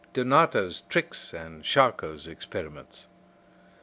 Donato's tricks and Charcot's experiments.